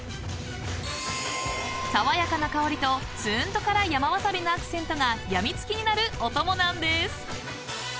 ［爽やかな香りとつーんと辛い山わさびのアクセントが病みつきになるおともなんです］